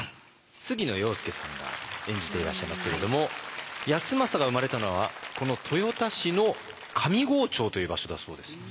杉野遥亮さんが演じていらっしゃいますけれども康政が生まれたのはこの豊田市の上郷町という場所だそうです。